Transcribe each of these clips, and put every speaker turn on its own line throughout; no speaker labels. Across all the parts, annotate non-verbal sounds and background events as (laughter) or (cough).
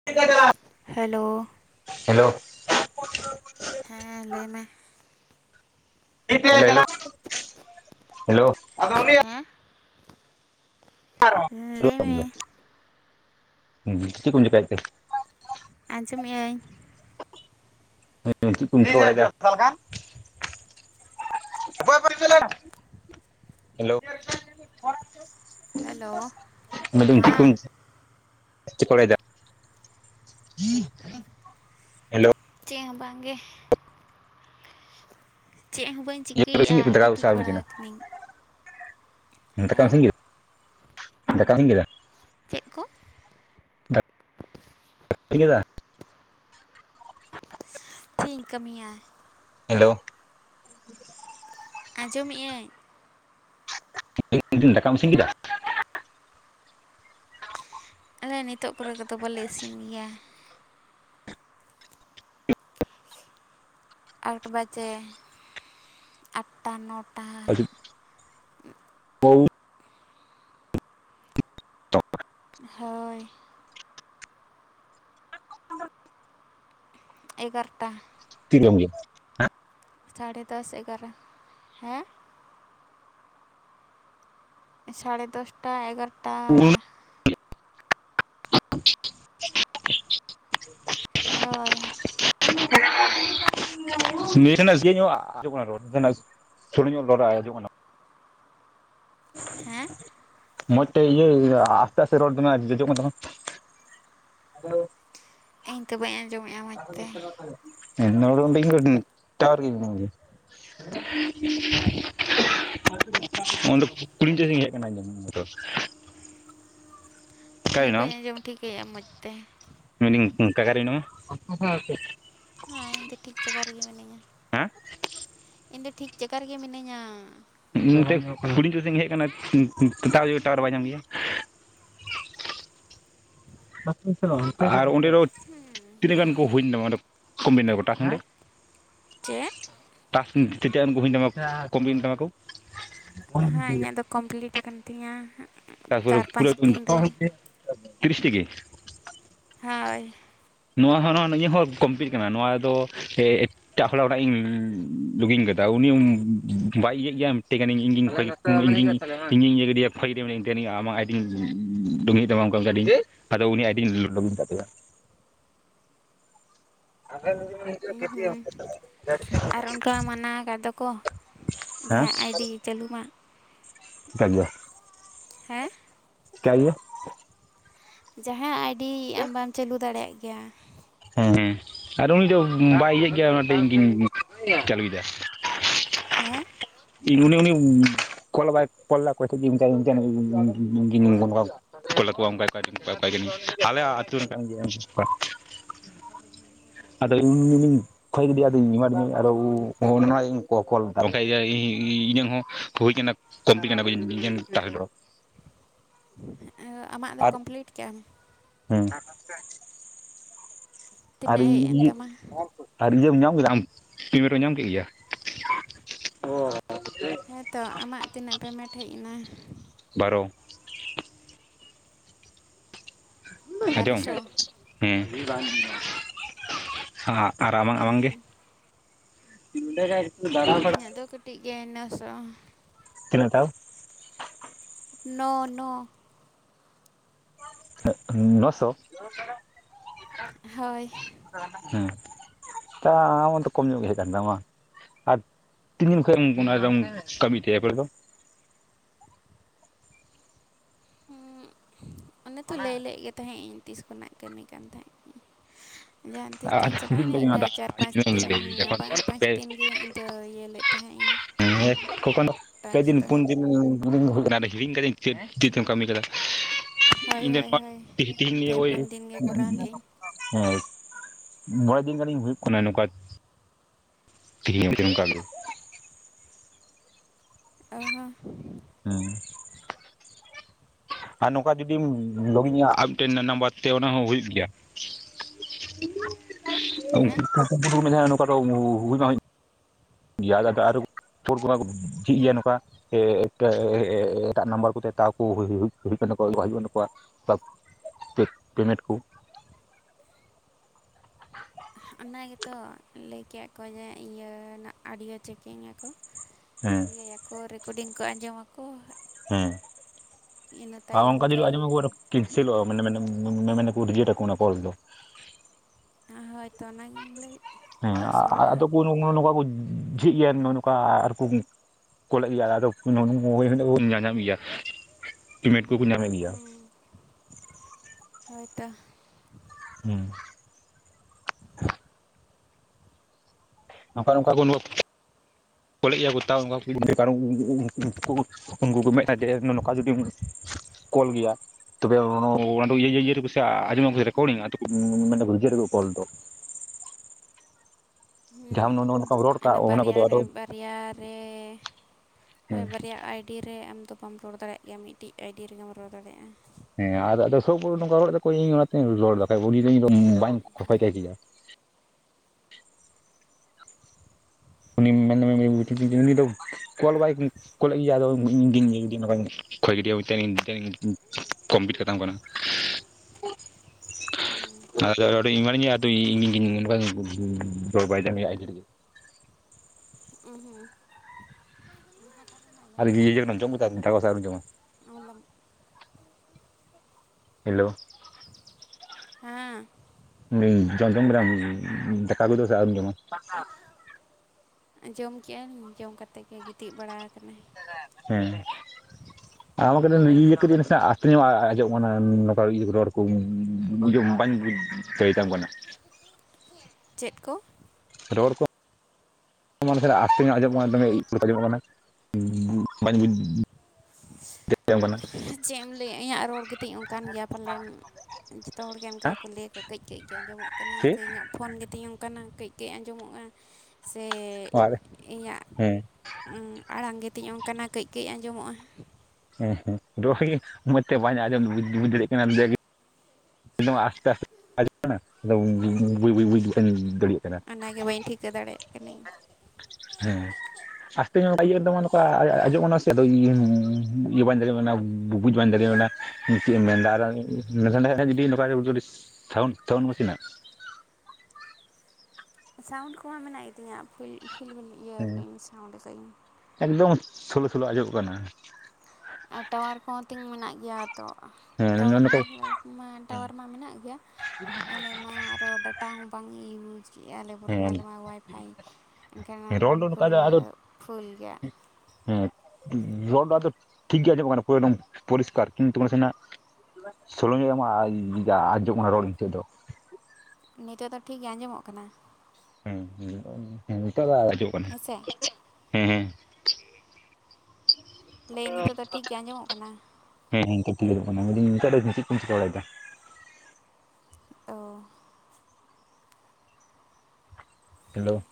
(unintelligible)
Hello
hello
ᱦᱮᱸ ᱞᱟᱹᱭ ᱢᱮ
(unintelligible) ᱦᱮᱞᱳ
ᱦᱮᱸ ᱞᱟᱹᱭ ᱢᱮ
(unintelligible) (unintelligible) ᱪᱮᱫ ᱠᱚᱢ ᱪᱤᱠᱟᱹᱭ ᱮᱫ ᱛᱮ
ᱟᱸᱡᱚᱢᱮ ᱟᱹᱧ
(unintelligible) ᱦᱮᱸ ᱪᱮᱫ ᱠᱚᱢ ᱪᱤᱠᱟᱹ ᱵᱟᱲᱟᱭ ᱫᱟ? (unintelligible) ᱦᱮᱞᱳ
ᱦᱮᱞᱳ ᱦᱮᱸ
(unintelligible) (unintelligible)
ᱪᱮ ᱦᱚᱸ ᱵᱟᱝ ᱜᱮ ᱪᱮ ᱦᱚᱸ ᱵᱟᱹᱧ ᱪᱤᱠᱟᱹᱭᱮᱟᱼᱟ ᱜᱤᱛᱤᱡ ᱵᱟᱲᱟ ᱠᱟᱹᱱᱟᱹᱧ
ᱫᱟᱠᱟᱢ ᱤᱥᱤᱱ ᱠᱮᱫᱟ ᱫᱟᱠᱟᱢ (unintelligible)
ᱪᱮᱫ ᱠᱚ
(unintelligible)
ᱪᱮ ᱤᱧ ᱠᱟᱹᱢᱤᱭᱟ?
ᱦᱮᱞᱳ,
ᱟᱸᱡᱚᱢᱮᱫ ᱟᱹᱧ
(unintelligible) ᱫᱟᱠᱟᱢ ᱤᱥᱤᱱ ᱠᱮᱫᱟ᱾
ᱟᱞᱮ ᱱᱤᱛᱚᱜ ᱠᱚᱨᱮ ᱠᱚᱫᱚ ᱵᱟᱞᱮ ᱤᱥᱤᱱ ᱜᱮᱭᱟ᱾ ᱟᱴ ᱵᱟᱡᱮ ᱟᱴᱴᱟ ᱱᱚᱴᱟ
ᱵᱳᱣ
ᱦᱳᱭ ᱮᱜᱟᱨᱚᱴᱟ
ᱫᱤᱱᱟᱹᱢ ᱜᱮ
ᱥᱟᱲᱮ ᱫᱚᱥ ᱮᱜᱟᱨᱚ ᱦᱮᱸ ᱥᱟᱲᱮ ᱫᱚᱥᱴᱟ ᱮᱜᱟᱨᱚᱴᱟ ᱦᱳᱭ
(unintelligible) ᱨᱚᱲ ᱱᱟᱥᱮᱱᱟᱸᱜ ᱪᱷᱚᱴᱚ ᱧᱚᱸᱜ ᱨᱚᱲ ᱟᱸᱡᱚᱢᱚᱜ ᱠᱟᱱᱟ ᱾
ᱦᱮᱸ
ᱢᱚᱸᱡᱽ ᱛᱮ ᱤᱭᱟᱹ ᱟᱥᱛᱮ ᱟᱥᱛᱮ ᱨᱚᱲ ᱫᱚᱢᱮ ᱡᱚᱡᱚᱜ ᱠᱟᱱ ᱛᱟᱢᱟ᱾ (unintelligible)
ᱤᱧ ᱦᱚᱛᱚ ᱵᱟᱹᱧ ᱟᱸᱡᱚᱢᱮᱫᱼᱟ ᱢᱚᱡᱽ ᱛᱮ᱾
(unintelligible) ᱴᱟᱦᱟᱨ (unintelligible) (unintelligible) ᱩᱱᱟ ᱫᱚ ᱠᱩᱞᱦᱤ ᱢᱩᱪᱟᱸᱫᱽ ᱥᱮᱫ ᱤᱧ ᱦᱮᱡᱽ ᱟᱠᱟᱱᱟ (unintelligible)
ᱤᱧ ᱦᱚᱸ
ᱚᱠᱟᱭᱮᱱᱟᱢ
ᱵᱟᱹᱧ ᱟᱸᱡᱚᱢ ᱴᱷᱤᱠᱟᱹᱭᱟ ᱢᱚᱡᱽ ᱛᱮ
ᱢᱮᱱᱟᱧ (unintelligible) ᱨᱮ ᱢᱤᱱᱟᱢᱟ᱾
ᱦᱮᱸ ᱤᱧ ᱫᱚ ᱴᱷᱤᱠ ᱡᱟᱭᱜᱟ ᱨᱮᱜᱮ ᱢᱤᱱᱟᱹᱧᱟ᱾
ᱦᱮᱸ
ᱤᱧ ᱫᱚ ᱴᱷᱤᱠ ᱡᱟᱜᱟ ᱨᱮᱜᱮ ᱢᱤᱱᱟᱹᱧᱟ᱾
ᱱᱚᱛᱮ ᱠᱩᱞᱦᱤ ᱢᱩᱪᱟᱹᱫ ᱥᱮᱫ ᱦᱮᱡᱽ ᱟᱠᱟᱱᱟ (unintelligible) ᱴᱟᱣᱟᱨ ᱵᱟᱭ ᱧᱟᱢ ᱜᱮᱭᱟ᱾ ᱟᱨ ᱚᱸᱰᱮ ᱫᱚ ᱛᱤᱱᱟᱹᱜ ᱜᱟᱱ ᱠᱚ ᱦᱩᱭᱱᱟ ᱚᱸᱰᱮ ᱠᱚᱢᱱᱟ ᱜᱚᱴᱴᱟ ᱴᱟᱥᱠ
ᱪᱮᱫ
ᱴᱟᱥ ᱛᱮ ᱛᱮᱫ ᱮᱱ ᱦᱩᱭ ᱮᱱ ᱛᱟᱢᱟ ᱠᱚ ᱠᱚᱢ ᱮᱱ ᱛᱟᱢᱟ ᱠᱚ
ᱦᱮᱸ ᱤᱧᱟᱜ ᱫᱚ ᱠᱚᱢᱯᱞᱤᱴ ᱟᱠᱟᱱ ᱛᱤᱧᱟ ᱦᱟᱸᱜ
ᱛᱟᱯᱚᱨ ᱯᱩᱨᱟᱹ ᱛᱤᱨᱤᱥᱴᱤ ᱜᱮ
ᱦᱳᱭ
ᱱᱚᱣᱟ ᱦᱚᱸ ᱱᱚᱣᱟ ᱱᱤᱭᱟᱹ ᱦᱚᱸ ᱠᱚᱢᱯᱤᱴ ᱠᱟᱱᱟ ᱱᱚᱣᱟ ᱫᱚ ᱮ ᱮᱴᱟᱜ ᱦᱚᱲ ᱚᱲᱟᱜ ᱤᱧ ᱞᱚᱜᱤᱝ ᱠᱟᱫᱟ ᱩᱱᱤ ᱵᱟᱭ ᱤᱭᱟᱹᱜ ᱜᱮᱭᱟ ᱢᱤᱫᱴᱮᱱ ᱠᱟᱹᱱᱟᱧ ᱤᱧᱜᱤᱧ ᱤᱧᱜᱤᱧ ᱤᱧᱜᱤᱧ ᱠᱷᱚᱭ ᱠᱮᱫᱮᱭᱟ ᱟᱢᱟᱜ ᱟᱭᱰᱤ ᱰᱩᱝᱜᱤᱜ ᱛᱟᱢᱟ ᱚᱱᱠᱟ ᱜᱟᱹᱰᱤ ᱟᱫᱚ ᱩᱱᱤ ᱟᱭᱰᱤ ᱞᱚᱜᱤᱧ ᱠᱟᱫ ᱛᱟᱭᱟ᱾ (unintelligible)
ᱦᱩᱸ ᱦᱩᱸ ᱟᱨ ᱚᱱᱠᱟ ᱢᱟᱱᱟ ᱠᱟᱫ ᱫᱚᱠᱚ᱾ ᱡᱟᱦᱟᱸᱭᱟᱜ ᱟᱭᱰᱤ ᱪᱟᱹᱞᱩ ᱢᱟ᱾
ᱪᱮᱠᱟᱜᱮᱭᱟ
ᱦᱮᱸ
ᱪᱤᱠᱟᱜᱮᱭᱟ
ᱡᱟᱦᱟᱸᱭᱟᱜ ᱟᱭᱰᱤ ᱟᱢ ᱵᱟᱢ ᱪᱟᱹᱞᱩ ᱫᱟᱲᱮᱭᱟᱜ ᱜᱮᱭᱟ᱾
ᱦᱮᱸ ᱟᱨ ᱩᱱᱤ ᱫᱚ ᱵᱟᱭ ᱤᱭᱟᱹᱜ ᱜᱮᱭᱟ ᱚᱱᱟ ᱛᱮ ᱤᱧᱜᱤᱧ ᱪᱟᱹᱞᱩᱭ ᱮᱫᱟ᱾
ᱦᱮᱸ
ᱩᱱᱤ ᱩᱱᱤ ᱠᱚᱞ ᱵᱟᱭ ᱠᱟᱞ ᱮᱫᱟ ᱚᱠᱚᱭ ᱴᱷᱮᱡ ᱜᱮ ᱢᱮᱛᱟᱫᱮ ᱫᱮ ᱤᱧᱜᱮ ᱚ ᱠᱚᱞ ᱟᱠᱚᱣᱟ ᱚᱱᱠᱟ ᱚᱠᱚᱭ ᱠᱟᱹᱱᱟᱹᱧ ᱟᱞᱮᱭᱟᱜ ᱟᱹᱛᱩ ᱨᱮᱱ ᱠᱟᱱ ᱜᱮᱭᱟ ᱠᱚ
(inaudible)
(inaudible) ᱠᱷᱚᱭ ᱜᱮᱫᱮᱭᱟᱧ ᱟᱫᱚᱧ ᱮᱢᱟᱫᱤᱧᱟ ᱟᱫᱚᱜ ᱱᱚᱧ ᱠᱚᱞ ᱞᱮᱫᱟᱠᱟᱱ ᱤᱧᱟᱜ ᱦᱚᱸ ᱦᱩᱭ ᱟᱠᱟᱱᱟ ᱠᱚᱢᱯᱤᱞᱤᱴ ᱠᱟᱱᱟ ᱠᱟ ᱡᱟᱱᱤᱡ ᱴᱟ
ᱟᱢᱟᱜ ᱫᱚ
ᱟᱨ
ᱠᱚᱢᱯᱞᱤᱴ ᱠᱮᱜ ᱟᱢ
ᱦᱮᱸ ᱟᱨ
ᱛᱤᱱᱟᱹᱜ ᱦᱮᱡ ᱮᱱ
ᱤᱭᱟᱹ
ᱛᱟᱢᱟ
ᱟᱨ ᱤᱭᱟᱹᱢ ᱧᱟᱢ ᱠᱮᱫᱟ ᱟᱢ ᱯᱮᱢᱮᱱᱴ ᱮᱢ ᱧᱟᱢ ᱠᱮᱫ ᱜᱮᱭᱟ ᱚ
ᱦᱮᱸᱛᱚ ᱟᱢᱟᱜ ᱛᱤᱱᱟᱹᱜ ᱯᱮᱢᱮᱱᱴ ᱦᱮᱡ ᱮᱱᱟ
ᱵᱟᱨᱚ ᱟᱡᱚᱢ
ᱵᱟᱨᱚᱥᱚ
ᱦᱮᱸ ᱟᱨ ᱟᱢᱟᱝ
ᱦᱩᱸ
ᱟᱢᱟᱝ ᱜᱮ
ᱦᱩᱸ ᱤᱧᱟᱹᱜ ᱫᱚ ᱠᱟᱹᱴᱤᱡ ᱜᱮ ᱱᱚᱥᱚ
ᱛᱤᱱᱟᱜ ᱛᱟᱣ
ᱱᱚ ᱱᱚ
ᱱᱚᱥᱚ
ᱦᱳᱭ
ᱦᱮᱸ ᱛᱟ ᱟᱢᱟᱜ ᱫᱚ ᱠᱚᱢ ᱧᱚᱜ ᱜᱮ ᱦᱮᱡ ᱟᱠᱟᱱ ᱛᱟᱢᱟ ᱵᱟᱝ ᱟᱨ ᱛᱤᱱ ᱫᱤᱱ ᱠᱷᱚᱡᱮᱢ ᱚᱱᱟ ᱨᱮᱢ ᱠᱟᱹᱢᱤ ᱛᱟᱦᱮᱫ ᱮᱯ ᱨᱮᱫᱚ
ᱚᱱᱮ ᱛᱚ ᱞᱟᱹᱭ ᱞᱮᱫ ᱜᱮ ᱛᱟᱦᱮᱸᱫ ᱤᱧ ᱛᱤᱥ ᱠᱷᱚᱱᱟᱜ ᱠᱟᱹᱢᱤ ᱠᱟᱱ ᱛᱟᱦᱮᱸᱫ ᱟᱹᱧ ᱡᱟᱦᱟᱸ ᱛᱤᱥ ᱛᱤᱧ ᱪᱟᱵᱟᱭᱮᱱᱟ ᱤᱱᱟᱹ ᱪᱟᱨ ᱯᱟᱸᱪ ᱫᱤᱱ ᱵᱟᱝ ᱯᱟᱸᱪ ᱫᱤᱱᱜᱮ ᱤᱧᱫᱚ ᱤᱭᱟᱹ ᱞᱮᱫ ᱛᱟᱦᱮᱸᱫ ᱤᱧ
(unintelligible) ᱯᱮ
ᱴᱟᱥᱠ
ᱫᱤᱱ
ᱫᱚ
ᱯᱩᱱ ᱫᱤᱱ ᱦᱤᱲᱤᱧ ᱠᱟᱫᱟᱹᱧ ᱪᱮᱫ ᱪᱮᱫ ᱮᱢ ᱠᱟᱹᱢᱤ ᱠᱟᱫᱟ
ᱦᱳᱭ
ᱤᱧ ᱫᱚ
ᱦᱳᱭ
ᱱᱚᱣᱟ
ᱦᱳᱭ
ᱛᱮᱦᱤᱧ ᱱᱤᱭᱮ
ᱯᱮ
ᱳᱭ
ᱯᱩᱱ ᱫᱤᱱ ᱜᱮ ᱠᱚᱨᱟᱣ ᱞᱮᱫᱟᱹᱧ
ᱦᱮᱸ ᱢᱚᱬᱮ ᱫᱤᱱ ᱜᱟᱱᱤᱧ ᱦᱩᱭᱩᱜ ᱠᱟᱱᱟ ᱱᱚᱝᱠᱟ ᱛᱤᱦᱤᱧ ᱩᱱᱤ ᱥᱮ ᱟᱱᱠᱟ
ᱟᱦᱟ
ᱦᱮᱸ ᱟᱨ ᱱᱚᱝᱠᱟ ᱡᱩᱫᱤᱢ ᱞᱚᱜᱤᱱᱟ ᱟᱨ ᱢᱤᱫᱴᱮᱱ ᱱᱟᱢᱵᱟᱨ ᱛᱮ ᱚᱱᱟ ᱦᱚᱸ ᱦᱳᱭᱳᱜ ᱜᱮᱭᱟ ᱢᱮ
ᱦᱮᱸ
ᱱᱚᱝᱠᱟ ᱫᱚ ᱦᱩᱭ ᱢᱟ ᱦᱩᱭᱩᱜ ᱜᱮᱭᱟ ᱟᱫᱚ ᱟᱨᱚ ᱦᱚᱲ ᱠᱚᱢᱟ ᱠᱚ ᱡᱷᱤᱡ ᱜᱮᱭᱟ ᱱᱚᱝᱠᱟ ᱮᱴᱟᱜ ᱱᱟᱢᱵᱟᱨ ᱠᱚᱛᱮ ᱛᱟᱣᱠᱚ ᱦᱩᱭ ᱦᱩᱭ ᱠᱟᱱ ᱛᱟᱠᱚᱣᱟ ᱛᱟᱣ ᱦᱩᱭᱩᱜ ᱠᱟᱱ ᱛᱟᱠᱚᱣᱟ ᱯᱮᱢᱮᱱᱴ ᱠᱚ
ᱚᱱᱟ ᱜᱮᱛᱚ ᱞᱟᱹᱭ ᱠᱮᱫᱟ ᱠᱚ ᱡᱮ ᱤᱭᱟᱹᱱᱟᱜ ᱚᱰᱤᱭᱳ ᱪᱮᱠᱤᱝ ᱟᱠᱚ
ᱦᱮᱸ
ᱞᱟᱹᱭ ᱟᱠᱚ ᱨᱮᱠᱚᱨᱰᱤᱝ ᱠᱚ ᱟᱸᱡᱚᱢ ᱟᱠᱚ
ᱦᱮᱸ
ᱤᱱᱟᱹ
ᱟᱨ ᱚᱱᱠᱟ
ᱛᱟᱭᱚᱢ
ᱫᱤᱱ ᱦᱤᱞᱟᱹᱜ
ᱜᱮ
ᱟᱸᱡᱚᱢ ᱠᱮᱱᱥᱮᱞᱚ-ᱟ ᱢᱮᱢᱮᱱᱟ ᱠᱩ ᱨᱤᱡᱮᱠᱴᱟ-ᱠᱩ ᱚᱱᱟ ᱠᱚᱞ ᱫᱚ
ᱦᱳᱭᱛᱚ ᱚᱱᱟᱜᱤᱧ ᱞᱟᱹᱭᱮᱫ
ᱦᱮᱸ
ᱠᱮᱱᱥᱮᱞᱚᱜᱼᱟ
ᱟᱫᱚ ᱠᱚ ᱱᱚᱝᱠᱟ ᱠᱚ ᱡᱷᱤᱡ ᱜᱮᱭᱟ ᱱᱚᱜᱼᱚᱭ ᱱᱚᱝᱠᱟ ᱟᱨᱠᱚ ᱠᱚᱞᱮᱫ ᱜᱮᱭᱟ ᱟᱫᱚ ᱢᱳᱵᱟᱭᱤᱞ ᱦᱤᱞᱳᱜ ᱵᱚᱱ ᱧᱟᱧᱟᱢ ᱜᱮᱭᱟ ᱯᱮᱢᱮᱴ ᱠᱚᱠᱚ ᱧᱟᱢᱮᱫ ᱜᱮᱭᱟ
ᱦᱮᱸ ᱦᱳᱭ ᱛᱚ
ᱦᱮᱸ
(unintelligible)
ᱱᱚᱝᱠᱟ ᱱᱚᱝᱠᱟ ᱠᱚ ᱱᱚᱣᱟ ᱠᱚᱞᱮᱜ ᱜᱮᱭᱟ ᱠᱚ ᱠᱟᱨᱚᱱ ᱩᱱᱠᱩ ᱠᱚ (unintelligible) ᱡᱮ ᱱᱚᱝᱠᱟ ᱡᱩᱫᱤᱢ ᱠᱚᱞ ᱜᱮᱭᱟ ᱛᱚᱵᱮ (unintelligible) ᱤᱭᱟᱹ ᱨᱮ ᱠᱚ ᱥᱮ ᱟᱸᱡᱚᱢ ᱧᱟᱢ (unintelligible) ᱨᱮᱠᱰᱤᱝ (unintelligible) ᱟᱫᱚ ᱢᱮᱱ ᱫᱟᱠᱩ ᱨᱤᱡᱮᱴ ᱟᱠᱚ ᱠᱚᱞ ᱫᱚ ᱡᱟᱦᱟᱸᱢ ᱱᱚᱝᱠᱟᱢ ᱨᱚᱲ
ᱦᱮᱸ ᱚᱱᱟ
ᱠᱟᱜ
ᱵᱟᱨᱭᱟ
ᱠᱚᱫᱚ
ᱨᱮ
ᱟᱫᱚ
ᱵᱟᱨᱭᱟ ᱨᱮ ᱦᱳᱭ
ᱦᱮᱸ
ᱵᱟᱨᱭᱟ ᱟᱭᱰᱤ ᱨᱮ ᱟᱢ ᱫᱚ ᱵᱟᱢ ᱨᱚᱲ ᱫᱟᱲᱮᱭᱟᱜ ᱜᱮᱭᱟ ᱢᱤᱫᱴᱤᱡ ᱟᱭᱰᱤ ᱨᱮᱜᱮᱢ ᱨᱚᱲ ᱫᱟᱲᱮᱭᱟᱜᱼᱟ
ᱦᱮᱸ ᱟᱫᱚ ᱥᱚᱵ ᱱᱚᱝᱠᱟ ᱨᱚᱲ ᱮᱫᱟᱠᱚ ᱤᱧ ᱚᱱᱟᱛᱮᱧ ᱨᱚᱲ ᱮᱫᱟ ᱵᱟᱠᱷᱟᱱ ᱩᱱᱤ ᱫᱚ ᱤᱧ ᱵᱟᱹᱧ ᱠᱷᱚᱭ ᱠᱮᱜᱮᱭᱟ ᱩᱱᱤ (unintelligible) ᱩᱱᱤ ᱫᱚ ᱠᱚᱞ ᱵᱟᱭ ᱠᱚᱞᱮᱜ ᱜᱮᱭᱟ ᱟᱫᱚ ᱤᱧ ᱜᱮᱧ ᱠᱷᱚᱭ ᱠᱮᱫᱮᱭᱟ ᱢᱮᱛᱟᱭ ᱠᱟᱱᱟᱧ ᱤᱧ ᱠᱚᱢᱯᱤᱴ ᱠᱟᱛᱟᱢ ᱠᱟᱱᱟ (unintelligible) (unintelligible) ᱨᱚᱲ ᱵᱟᱲᱟᱭ ᱫᱟ (unintelligible)
ᱩᱩᱸ ᱦᱩᱸ
ᱟᱨ ᱡᱚᱢ ᱠᱤᱫᱟ ᱫᱟᱠᱟ ᱠᱚ ᱥᱮ ᱟᱹᱣᱨᱤᱢ ᱡᱚᱢᱟ
ᱚᱸ (unintelligible)
ᱦᱮᱞᱳ
ᱦᱮᱸ
ᱢᱮᱱᱫᱤᱧ ᱡᱚᱢ ᱠᱮᱫᱟᱢ ᱫᱟᱠᱟ ᱠᱩᱫᱳ ᱥᱮ ᱟᱹᱣᱨᱤᱢ ᱡᱚᱢᱟ
ᱡᱚᱢ ᱠᱮᱜᱼᱟᱹᱧ ᱡᱚᱢ ᱠᱟᱛᱮᱫ ᱜᱮ ᱜᱤᱛᱤᱡ ᱵᱟᱲᱟ ᱟᱠᱟᱱᱟᱹᱧ
ᱦᱮᱸ ᱦᱮᱸ (unintelligible) ᱛᱤᱱᱟᱹᱜ ᱟᱸᱡᱚᱢᱚᱜ ᱠᱟᱱᱟ ᱱᱚᱝᱠᱟ ᱨᱚᱲ ᱠᱚ ᱵᱟᱹᱧ ᱵᱩᱡ ᱫᱟᱲᱮᱭᱟᱛᱟᱢ ᱠᱟᱱᱟ
ᱪᱮᱫ ᱠᱚ
ᱨᱚᱲ ᱠᱚ ᱟᱥᱛᱮ ᱧᱳᱜ ᱟᱸᱡᱚᱢᱚᱜ ᱠᱟᱱᱟ ᱫᱚᱢᱮ ᱜᱩᱞ ᱟᱸᱡᱚᱢᱚᱜ ᱠᱟᱱᱟ ᱵᱟᱹᱧ ᱵᱩᱡ (unintelligible)
ᱪᱮᱫ ᱮᱢ ᱞᱟᱹᱭᱟ ᱤᱧᱟᱹᱜ ᱨᱚᱲ ᱜᱮᱛᱤᱧ ᱚᱱᱠᱟᱱ ᱜᱮᱭᱟ ᱯᱟᱞᱮᱱ ᱡᱚᱛᱚ ᱦᱚᱲᱜᱮ ᱚᱱᱠᱟ
ᱦᱮᱸ
ᱠᱩ ᱞᱟᱹᱭᱟᱠᱚ ᱠᱟᱹᱡ ᱠᱟᱹᱡ ᱜᱮ ᱟᱸᱡᱚᱢᱚᱜ ᱠᱟᱱᱟᱭ ᱥᱮ
ᱪᱮᱫ
ᱤᱧᱟᱹᱜᱼᱼ ᱯᱷᱳᱱ ᱜᱮᱛᱤᱧ ᱚᱱᱠᱟᱱᱟ ᱠᱟᱹᱡ ᱠᱟᱹᱡ ᱟᱸᱡᱚᱢᱚᱜᱼᱟ ᱥᱮ
ᱚᱲᱟᱜ ᱨᱮ
ᱤᱧᱟᱜ
ᱦᱮᱸ
ᱟᱲᱟᱝ ᱜᱮᱛᱤᱧ ᱚᱱᱠᱟᱱᱟᱜ ᱠᱟᱹᱡ ᱠᱟᱹᱡ ᱟᱸᱡᱚᱢᱚᱜᱼᱟ
ᱦᱮᱸ ᱦᱮᱸ ᱫᱩ ᱥᱮᱜᱮ ᱢᱚᱡᱽ ᱛᱮ ᱵᱟᱧ ᱟᱸᱡᱚᱢ ᱵᱩᱡ ᱵᱩᱡ ᱫᱟᱲᱮᱭᱟᱜ ᱠᱟᱱᱟ ᱼᱼ ᱱᱚᱣᱟ ᱟᱥᱛᱮ ᱟᱥᱛᱮ ᱟᱡᱩᱜ ᱠᱟᱱᱟ ᱟᱫᱚ ᱵᱩᱡᱽ (unintelligible) ᱫᱟᱲᱮᱭᱟᱜ ᱠᱟᱱᱟ
ᱚᱱᱟᱜᱮ ᱵᱟᱹᱧ ᱴᱷᱤᱠᱟᱹ ᱫᱟᱲᱮᱭᱟᱜ ᱠᱟᱹᱱᱟᱹᱧ
ᱦᱮᱸ ᱟᱥᱛᱮ ᱧᱚᱜ ᱤᱭᱟᱹ ᱫᱚ ᱱᱚᱝᱠᱟ ᱟᱸᱡᱚᱢᱚᱜ ᱠᱟᱱᱟ ᱥᱮ ᱟᱫᱚ ᱤᱭᱟᱹ ᱤᱭᱟᱹ ᱵᱟᱹᱧ ᱫᱟᱲᱮᱣᱟᱱᱟ ᱵᱩᱡ ᱵᱟᱹᱧ ᱫᱟᱲᱮ ᱣᱟᱱᱟ ᱪᱮᱫ ᱤᱧ ᱢᱮᱱᱫᱟ ᱟᱨ ᱡᱤ ᱱᱚᱝᱠᱟ ᱜᱮ ᱡᱩᱫᱤ ᱥᱟᱣᱩᱱ ᱥᱟᱣᱩᱱ ᱢᱮᱥᱮ ᱱᱟᱜ
ᱥᱟᱣᱩᱱᱰ ᱠᱚᱢᱟ ᱢᱮᱱᱟᱜ ᱜᱮ ᱛᱤᱧᱟ ᱯᱷᱩᱞ ᱯᱷᱩᱞᱢᱩᱱ ᱤᱭᱟᱹ
ᱦᱮᱸ
ᱠᱟᱜ ᱟᱹᱧ ᱥᱟᱣᱩᱱᱰ ᱟᱠᱟᱜᱼᱟᱹᱧ
ᱮᱠᱫᱚᱢ ᱥᱳᱞᱳ ᱥᱳᱞᱳ ᱟᱸᱡᱚᱢᱚᱜ ᱠᱟᱱᱟ
ᱟᱨ ᱴᱟᱣᱟᱨ ᱠᱚᱦᱚᱸ ᱛᱤᱧ ᱢᱮᱱᱟᱜ ᱜᱮᱭᱟ ᱛᱚ
ᱦᱮᱸ
ᱴᱟᱣᱟᱨ
ᱱᱚᱝᱠᱟ
ᱢᱚᱛᱞᱚᱵᱽ ᱢᱟ ᱴᱟᱣᱟᱨ ᱢᱟ ᱢᱮᱱᱟᱜ ᱜᱮᱭᱟ ᱟᱞᱮ ᱢᱟ ᱟᱨᱦᱚᱸ ᱰᱟᱴᱟ ᱦᱚᱸ ᱵᱟᱝ ᱤᱭᱩᱡᱽ ᱠᱮᱜᱼᱟᱞᱮ ᱟᱞᱮᱢᱟ
ᱦᱮᱸ
ᱵᱚᱨᱚᱝ ᱣᱟᱭᱯᱷᱟᱭ ᱮᱱᱠᱷᱟᱱ
ᱨᱚᱲ ᱫᱚ ᱱᱚᱝᱠᱟ ᱫᱚ
ᱯᱩᱨᱟᱹ
ᱟᱫᱚ
ᱯᱷᱩᱞ ᱜᱮᱭᱟ
ᱦᱮᱸ ᱱᱚᱭᱟ (unintelligible) ᱫᱚ ᱴᱷᱤᱠ ᱜᱮ ᱟᱸᱡᱚᱢᱚᱜ ᱠᱟᱱᱟ ᱮᱠᱚᱫᱚᱢ ᱯᱚᱨᱤᱥᱠᱟᱨ ᱠᱤᱱᱛᱩ ᱱᱟᱥᱮ ᱱᱟᱜ ᱥᱳᱞᱳ ᱧᱚᱜ ᱮᱢᱟ ᱟᱸᱡᱚᱜ (unintelligible) ᱨᱚᱲ ᱛᱮᱫᱚ
ᱱᱤᱛᱚᱜ ᱫᱚ ᱴᱷᱤᱠ ᱜᱮ ᱟᱸᱡᱚᱢᱚᱜ ᱠᱟᱱᱟ
ᱦᱮᱸ ᱦᱮᱸ ᱱᱤᱛᱚᱜ ᱫᱚ ᱦᱤᱡᱩᱜ ᱠᱟᱱᱟ
ᱦᱮᱸᱥᱮ
ᱦᱮᱸ ᱦᱮᱸ
ᱞᱟᱹᱭ ᱱᱤᱛᱚᱜ ᱫᱚ ᱴᱷᱤᱠ ᱜᱮ ᱟᱸᱡᱚᱢᱚᱜ ᱠᱟᱱᱟ
ᱦᱮᱸ ᱦᱮᱸ ᱱᱤᱛᱚᱜ ᱴᱷᱤᱠ ᱜᱮ ᱟᱸᱡᱚᱢᱚᱜ ᱠᱟᱱᱟ (unintelligible) ᱞᱟᱹᱭᱫᱟᱹᱧ ᱱᱤᱛᱚᱜ ᱫᱚ ᱢᱮ ᱪᱮᱫ ᱠᱚᱢ ᱪᱤᱠᱟᱹ ᱵᱟᱲᱟᱭᱮᱫᱟ
ᱚᱻ
ᱦᱮᱞᱳ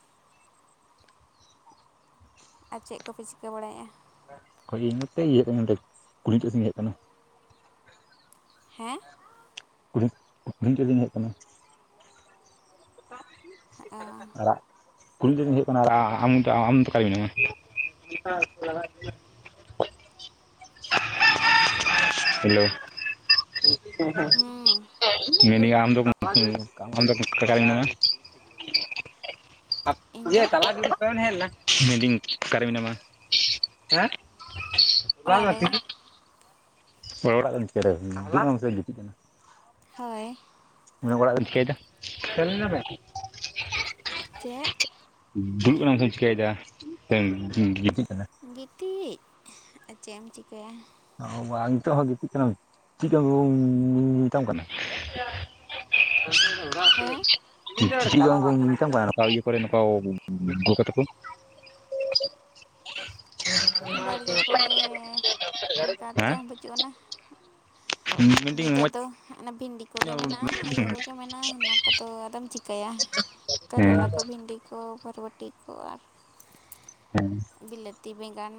ᱟᱨ ᱪᱮᱫ ᱠᱚᱯᱮ ᱪᱤᱠᱟᱹ ᱵᱟᱲᱟᱭᱮᱜᱼᱟ
ᱚᱠᱚᱭ ᱤᱧ ᱱᱚᱛᱮ ᱤᱭᱟᱹ ᱥᱮᱱᱤᱧ ᱠᱩᱞᱦᱤ ᱥᱮᱱ ᱤᱧ ᱦᱮᱡ ᱟᱠᱟᱱᱟ
ᱦᱮᱸ
ᱠᱩᱞᱦᱤ (unintelligible) ᱦᱮᱡ ᱟᱠᱟᱱᱟ
ᱮᱸᱻᱻ
ᱟᱨ ᱠᱩᱞᱦᱤ ᱛᱮᱫᱩᱧ ᱦᱮᱡ ᱟᱠᱟᱱᱟ ᱟᱨ ᱟᱢ ᱟᱢ ᱫᱚ ᱚᱠᱟᱨᱮ ᱢᱮᱱᱟᱢᱟ ᱦᱮᱞᱳ
ᱦᱩᱸ
ᱢᱮᱱᱮᱜ ᱟᱹᱧ ᱟᱢ ᱫᱚ ᱟᱢ ᱫᱚ ᱚᱠᱟᱴᱟᱜ ᱨᱮ ᱢᱮᱱᱟᱢᱟ
ᱤᱧ ᱫᱚ
(unintelligible) ᱢᱤᱱᱫᱟᱹᱧ ᱚᱠᱟᱨᱮ ᱢᱮᱱᱟᱢᱟ ᱦᱮᱸ
ᱚᱲᱟᱜ
ᱵᱟᱝᱟ
ᱨᱮ
(unintelligible) ᱦᱚᱲ ᱚᱲᱟᱜ ᱨᱮᱱ ᱪᱮᱬᱮ (unintelligible) ᱜᱩᱛᱤᱡ ᱠᱟᱱᱟ
ᱦᱳᱭ
ᱚᱲᱟᱜ ᱨᱮᱢ ᱪᱤᱠᱟᱹᱭᱮᱫᱟ (unintelligible)
ᱪᱮᱫ?
ᱫᱩᱲᱩᱵ ᱠᱟᱱᱟᱢ ᱥᱮᱢ ᱪᱤᱠᱟᱹᱭᱮᱫᱟ ᱥᱮ ᱜᱤᱛᱤᱡ ᱠᱟᱱᱟ
ᱜᱤᱛᱤᱡ ᱟᱨ ᱪᱮᱫ ᱮᱢ ᱪᱤᱠᱟᱹᱭᱟ
ᱚ ᱵᱟ ᱱᱤᱛᱚᱜ ᱦᱚᱸ ᱜᱤᱛᱤᱡ ᱠᱟᱱᱟᱢ ᱪᱮᱫ ᱵᱟᱝᱠᱚ ᱢᱮᱛᱟᱢ ᱠᱟᱱᱟ
ᱦᱮᱸ
(unintelligible) ᱪᱮᱫ ᱜᱮ ᱵᱟᱝ ᱠᱚ ᱢᱮᱛᱟᱢ ᱠᱟᱱᱟ ᱱᱚᱝᱠᱟ ᱤᱭᱟᱹ ᱠᱚᱨᱮ ᱱᱚᱝᱠᱟ ᱜᱚᱜᱚ ᱛᱟᱠᱚ
ᱵᱟᱲᱜᱮ ᱠᱚᱨᱮ ᱚᱱᱠᱟ ᱪᱮᱫ
ᱦᱮᱸ
ᱦᱚᱸ ᱵᱟᱹᱪᱩᱜ ᱟᱱᱟ
ᱢᱮᱱᱫᱟᱹᱧ
ᱱᱤᱛᱚᱜ
ᱢᱚᱡᱽ
ᱫᱚ ᱚᱱᱟ ᱵᱷᱤᱱᱰᱤ ᱠᱚᱜᱮ
ᱦᱮᱸ
ᱢᱮᱱᱟᱜᱼᱟ ᱤᱭᱟᱹ ᱠᱚᱜᱮ ᱢᱮᱱᱟᱜᱼᱟ ᱚᱱᱟ ᱠᱚᱫᱚ ᱟᱫᱚᱢ ᱪᱤᱠᱟᱹᱭᱟ
ᱦᱮᱸ
ᱠᱟᱨᱮᱞᱟ ᱠᱚ ᱵᱷᱤᱱᱰᱤ ᱠᱚ ᱵᱚᱨᱵᱚᱴᱤ ᱠᱚ ᱟᱨ
ᱦᱩᱸ
ᱵᱤᱞᱟᱹᱛᱤ ᱵᱮᱸᱜᱟᱱ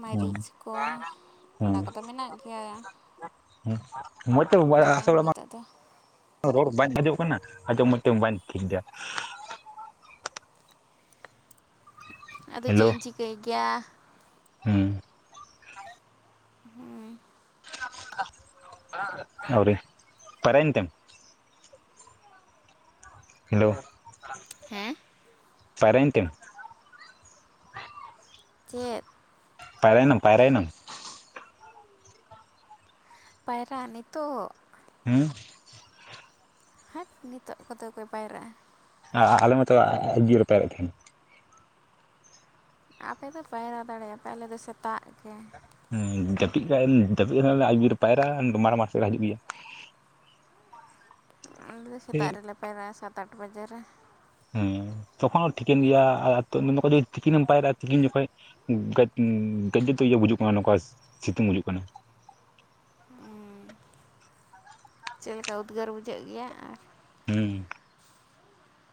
ᱢᱟᱹᱨᱤᱪ ᱠᱚ
ᱦᱮᱸ
ᱚᱱᱟ ᱠᱚᱫᱚ ᱢᱮᱱᱟᱜ ᱜᱮᱭᱟ
ᱢᱚᱡ ᱛᱮ ᱵᱟᱭ
ᱪᱤᱠᱟᱹᱭᱟᱢ
ᱟᱥᱟᱲ ᱢᱟ
ᱱᱤᱛᱚᱜ ᱫᱚ
ᱨᱚᱲ ᱵᱟᱧ ᱵᱩᱡᱚᱜ ᱠᱟᱱᱟ ᱟᱫᱚ (unintelligible) ᱵᱟᱹᱧ ᱴᱷᱤᱠ ᱮᱫᱟ
ᱟᱫᱚ ᱪᱮᱫ
ᱦᱮᱞᱳ
ᱤᱧ ᱪᱤᱠᱟᱹᱭ ᱜᱮᱭᱟ
ᱦᱩᱸ
ᱦᱩᱸ
ᱟᱣᱨᱤ ᱯᱟᱭᱨᱟᱭᱮᱱᱛᱮᱢ ᱦᱮᱞᱳ,
ᱦᱮᱸ
ᱯᱟᱭᱨᱟᱭᱮᱱᱛᱮᱢ
ᱪᱮᱫ
ᱯᱟᱭᱨᱟᱱᱟᱢ ᱯᱟᱭᱨᱟᱱᱟᱢ
ᱯᱟᱭᱨᱟ ᱱᱤᱛᱚᱜ
ᱦᱩᱸ
ᱦᱟᱴ ᱱᱤᱛᱚᱜ ᱠᱚᱫᱚ ᱠᱚ ᱯᱟᱭᱨᱟᱜᱼᱟ
ᱟᱞᱮ ᱢᱟᱛᱚ ᱟᱰᱤ ᱡᱩᱨ ᱞᱮ ᱯᱟᱭᱨᱟᱜ ᱛᱟᱦᱮᱱᱟ
ᱟᱯᱮ ᱯᱮ ᱯᱟᱭᱨᱟ ᱫᱟᱲᱮᱭᱟᱜᱯᱮ ᱟᱞᱮ ᱫᱚ ᱥᱮᱛᱟᱜ ᱜᱮ
ᱦᱡᱟᱹᱯᱤᱫ ᱨᱮᱦᱚᱸᱞᱮ ᱟᱹᱭᱩᱵ ᱵᱮᱨ ᱯᱟᱭᱨᱟᱜ ᱢᱟᱨᱟᱝ ᱢᱟᱴ ᱥᱮᱫ ᱞᱮ ᱦᱤᱡᱩᱜ ᱜᱮᱭᱟ
ᱟᱞᱮ ᱫᱚ ᱥᱮᱛᱟᱜ ᱨᱮᱞᱮ ᱯᱟᱭᱨᱟᱜᱼᱟ ᱥᱟᱛ ᱟᱴ ᱵᱟᱡᱮ ᱨᱮ
ᱦᱮᱸ ᱛᱚᱠᱷᱚᱱ ᱦᱚᱸ ᱴᱷᱤᱠᱟᱹᱱ ᱜᱮᱭᱟ ᱟᱨ ᱛᱤᱠᱤᱱᱮᱢ ᱯᱟᱭᱨᱟᱜᱼᱟ ᱛᱤᱠᱤᱱ ᱡᱚᱠᱷᱚᱡ ᱜᱟᱡᱮ ᱛᱚ ᱤᱭᱟᱹ ᱵᱩᱡᱩᱜ ᱠᱟᱱᱟ ᱱᱚᱝᱠᱟ ᱥᱤᱛᱩᱝ ᱵᱩᱡᱩᱜ ᱠᱟᱱᱟ
ᱪᱮᱫ ᱞᱮᱠᱟ ᱩᱫᱽᱜᱟᱹᱨ ᱵᱩᱡᱷᱟᱹᱜ ᱜᱮᱭᱟ ᱟᱨ
ᱦᱩᱸ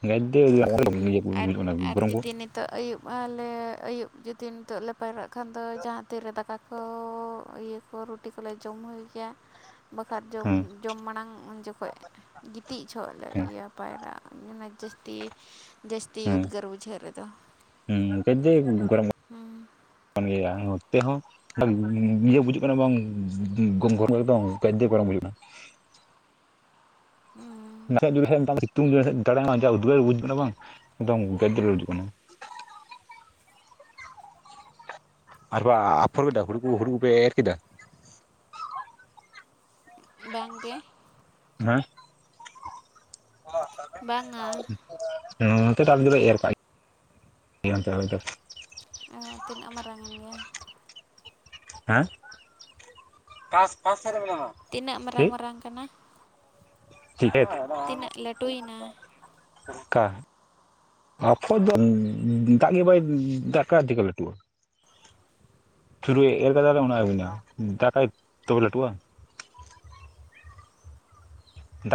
ᱜᱟᱫᱫᱮ (unintelligible)
ᱟᱨ ᱟᱨ ᱡᱩᱫᱤ ᱱᱤ ᱛᱚᱜ ᱟᱹᱭᱩᱵ ᱟᱞᱮ ᱟᱹᱭᱩᱵ ᱡᱩᱫᱤ ᱱᱤᱛᱚᱜ ᱞᱮ ᱯᱟᱭᱨᱟᱜ ᱠᱷᱟᱱ ᱫᱚ ᱡᱟᱦᱟᱸ ᱛᱤᱨᱮ ᱫᱟᱠᱟ ᱠᱚ ᱤᱭᱟᱹ ᱨᱩᱴᱤ ᱠᱚᱞᱮ ᱡᱚᱢ ᱦᱩᱭ ᱜᱮᱭᱟ ᱵᱟᱠᱷᱟᱡ ᱡᱚᱢ
ᱦᱮᱸ
ᱡᱚᱢ ᱢᱟᱲᱟᱝ ᱩᱱ ᱡᱚᱠᱷᱚᱱ ᱜᱤᱛᱤᱡ ᱡᱚᱦᱚᱜ ᱞᱮ ᱤᱭᱟᱹ ᱯᱟᱭᱨᱟᱜ-ᱟ ᱚᱱᱟ ᱡᱟᱹᱥᱛᱤ ᱡᱟᱹᱥᱛᱤ ᱩᱫᱽᱜᱟᱹᱨ ᱵᱩᱡᱷᱟᱹᱣ ᱨᱮᱫᱚ
ᱦᱩᱸ ᱜᱟᱡᱮ ᱜᱚᱨᱚᱢ ᱠᱟᱱᱜᱮᱭᱟ ᱱᱚᱛᱮ ᱦᱚᱸ ᱤᱭᱟᱹ ᱵᱩᱡᱩᱜ ᱠᱟᱱᱟ ᱵᱟᱝ ᱜᱚᱨᱟᱢ ᱮᱠᱫᱚᱢ ᱜᱟᱡᱮ ᱜᱚᱨᱚᱢ ᱵᱩᱡᱟᱜ ᱠᱟᱱᱟ ᱱᱟᱥᱮᱜ (unintelligible) ᱥᱤᱛᱩᱝ ᱫᱟᱲᱟᱱ ᱩᱫᱽᱜᱟᱹᱨ ᱵᱩᱡᱩᱜ ᱠᱟᱱᱟ ᱵᱟᱝ ᱮᱫᱚᱢ (unintelligible) ᱠᱟᱱᱟ ᱟᱨ ᱵᱟ ᱟᱯᱷᱚᱨ ᱠᱮᱫᱟ ᱦᱩᱲᱩ ᱠᱚ ᱦᱩᱲᱩ ᱠᱚ ᱯᱮ ᱮᱨ ᱠᱮᱫᱟ
ᱵᱟᱝ ᱜᱮ
ᱦᱮᱸ
ᱵᱟᱝᱟ
(inaudible) ᱦᱮᱸ ᱱᱚᱛᱮ ᱫᱚ ᱚᱞᱮ ᱫᱚᱞᱮ ᱮᱨ ᱠᱟᱜ ᱜᱮᱭᱟ ᱱᱚᱛᱮ ᱫᱚ
ᱚ ᱛᱤᱱᱟᱹᱜ ᱢᱟᱨᱟᱝᱮᱱ ᱜᱮᱭᱟ
ᱦᱮᱸ ᱚᱠᱟ ᱚᱠᱟ ᱥᱮᱫ ᱨᱮ ᱢᱮᱱᱟᱢᱟ?
ᱛᱤᱱᱟᱹᱜ ᱢᱟᱨᱟᱝ ᱢᱟᱨᱟᱝ ᱠᱟᱱᱟ ᱛᱤᱱᱟᱹᱜ ᱞᱟᱹᱴᱩᱭᱮᱱᱟ?
ᱠᱟ ᱚᱠᱚᱭ ᱫᱚ ᱫᱟᱜ ᱜᱮ ᱵᱟᱭ ᱫᱟᱜ ᱠᱟᱜ ᱟ ᱪᱤᱠᱟ ᱞᱟᱴᱩᱜ-ᱟ? ᱛᱩᱨᱩᱭ ᱮᱨ ᱠᱟᱫᱟᱞᱮ ᱚᱱᱟ ᱟᱹᱜᱩᱱᱟ ᱫᱟᱠᱟᱭ ᱛᱚᱵᱮ ᱞᱟᱹᱴᱩᱜᱼᱟ ᱾ ᱫᱟᱜ